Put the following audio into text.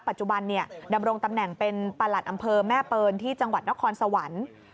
ปัจจุบันดำรงตำแหน่งเป็นประหลัดอำเภอแม่เปิลที่จังหวัดนครสวรรค์